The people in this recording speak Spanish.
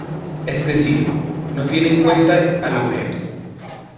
Es decir, no tiene en cuenta al objeto.